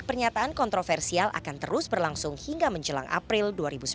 pernyataan kontroversial akan terus berlangsung hingga menjelang april dua ribu sembilan belas